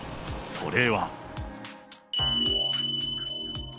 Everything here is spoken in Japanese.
それは。